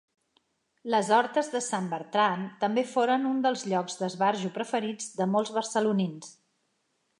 Les Hortes de Sant Bertran també foren un dels llocs d'esbarjo preferits de molts barcelonins.